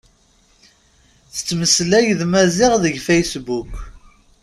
Tettmeslay d Maziɣ deg fasebbuk.